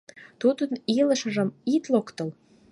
Тудын илышыжым ит локтыл.